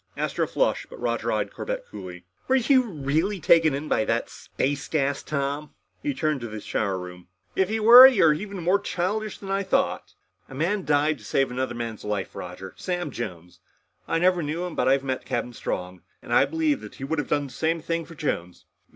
Astro flushed, but Roger eyed Corbett coolly. "Were you really taken in with that space gas, Tom?" He turned to the shower room. "If you were, then you're more childish than I thought." "A man died to save another man's life, Roger. Sam Jones. I never knew him. But I've met Captain Strong, and I believe that he would have done the same thing for Jones."